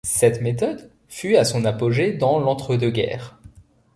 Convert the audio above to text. Cette méthode fut à son apogée dans l'entre-deux-guerres.